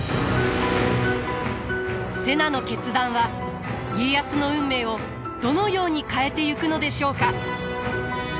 瀬名の決断は家康の運命をどのように変えてゆくのでしょうか？